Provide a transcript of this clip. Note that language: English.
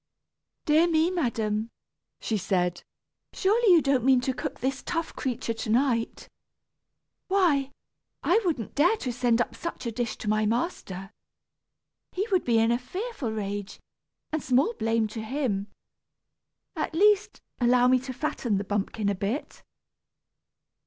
"Dear me, madam," she said, "surely you don't mean to cook this tough creature to night? Why, I wouldn't dare to send up such a dish to my master. He would be in a fearful rage, and small blame to him. At least, allow me to fatten the bumpkin a bit."